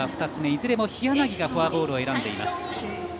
いずれも日柳がフォアボールを選んでいます。